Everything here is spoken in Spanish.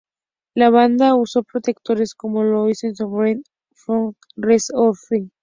La banda usó productores como lo hizo en "Something for the rest of us".